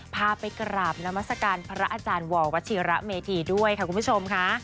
พาไปกราบนามัศกาลพระอาจารย์ววัชิระเมธีด้วยค่ะคุณผู้ชมค่ะ